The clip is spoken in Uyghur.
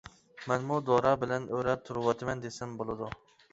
مەنمۇ دورا بىلەن ئۆرە تۇرۇۋاتىمەن دېسەم بولىدۇ.